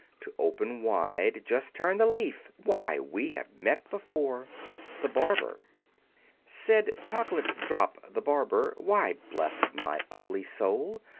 To open wide, just turn the leaf. Why, we have met before! [Illustration: Introduction] THE BARBER Said Chocolate Drop the Barber, "Why, bless my ugly soul!